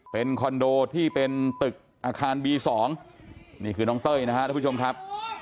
เป็นคอนโดที่เป็นตึกอาคารบี๒นี่คือน้องเต้ยนะครับทุกผู้ชมครับ